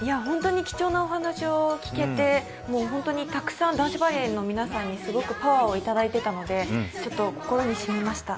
貴重なお話を聞けてたくさん男子バレーの皆さんにパワーいただいてたので心にしみました。